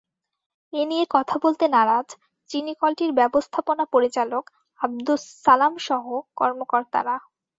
এ নিয়ে কথা বলতে নারাজ চিনিকলটির ব্যবস্থাপনা পরিচালক আবদুস সালামসহ কর্মকর্তারা।